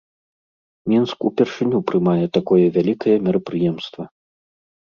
Мінск упершыню прымае такое вялікае мерапрыемства.